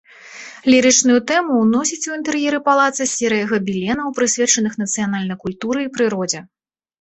Лірычную тэму ўносіць у інтэр'еры палаца серыя габеленаў, прысвечаных нацыянальнай культуры і прыродзе.